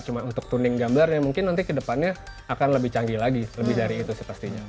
cuma untuk tuning gambarnya mungkin nanti kedepannya akan lebih canggih lagi lebih dari itu sih pastinya